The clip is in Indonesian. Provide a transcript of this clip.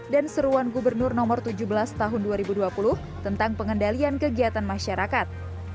dan seruan gubernur no tujuh belas tahun dua ribu dua puluh tentang pengendalian kegiatan masyarakat